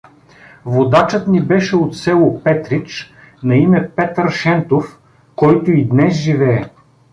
Водачът ни беше от село Петрич, на име Петър Шентов, който и днес живее.